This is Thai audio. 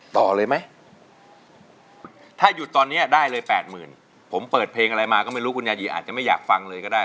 ต่อเลยไหมถ้าหยุดตอนนี้ได้เลยแปดหมื่นผมเปิดเพลงอะไรมาก็ไม่รู้คุณยายีอาจจะไม่อยากฟังเลยก็ได้